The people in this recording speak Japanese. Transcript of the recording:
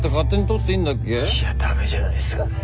いやダメじゃないっすかねえ。